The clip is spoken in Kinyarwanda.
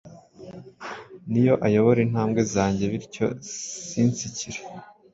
Niyo ayobora intambwe zanjye bityo si nsikire